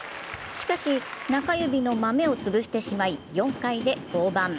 しかし中指のマメを潰してしまい、４回で降板。